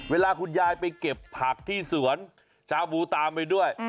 เวลาคุณยายไปเก็บผักที่สวนชาบูตามไปด้วย